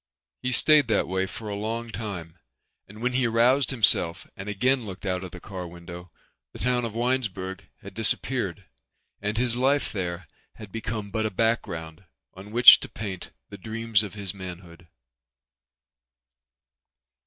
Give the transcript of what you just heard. He stayed that way for a long time and when he aroused himself and again looked out of the car window the town of Winesburg had disappeared and his life there had become but a background on which to paint the dreams of his manhood.